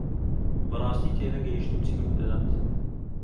بەڕاستی تێنەگەیشتم چی ڕوودەدات.